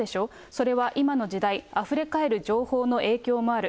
それは今の時代、あふれかえる情報の影響もある。